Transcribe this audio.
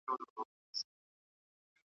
ماشوم ډاډ احساسوي.